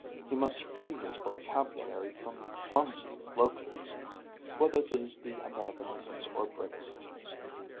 He must free his vocabulary from clumsy localisms, whether these be Americanisms or Briticisms.